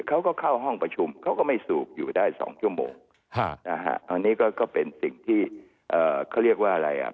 เขาก็เข้าห้องประชุมเขาก็ไม่สูบอยู่ได้สองชั่วโมงนะฮะอันนี้ก็เป็นสิ่งที่เขาเรียกว่าอะไรอ่ะ